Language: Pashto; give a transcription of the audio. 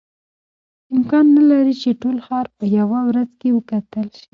امکان نه لري چې ټول ښار په یوه ورځ کې وکتل شي.